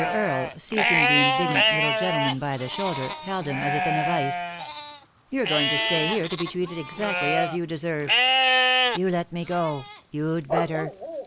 Earle, seizing the indignant little gentleman by the shoulder, held him as if in a vice. " You're going to stay here to be treated exactly as you deserve." " You let me go ; you'd better